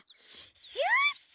シュッシュ！